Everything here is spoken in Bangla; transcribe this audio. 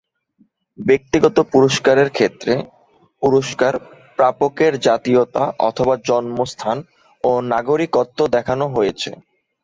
ব্যক্তিগত পুরস্কারের ক্ষেত্রে পুরস্কার প্রাপকের জাতীয়তা অথবা জন্মস্থান ও নাগরিকত্ব দেখানো হয়েছে।